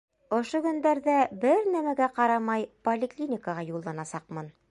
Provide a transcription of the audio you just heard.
Ошо көндәрҙә, бер нәмәгә ҡарамай, поликлиникаға юлланасаҡмын.